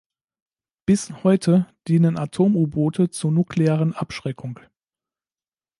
Bis heute dienen Atom-U-Boote zur nuklearen Abschreckung.